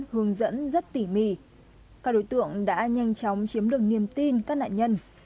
hướng dẫn rất tỉ mỉ các đối tượng đã nhanh chóng chiếm được niềm tin các nạn nhân